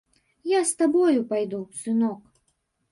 Я з табою пайду, сынок!